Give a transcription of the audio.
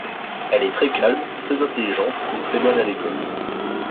Elle est très calme, très intelligente, et très bonne à l'école.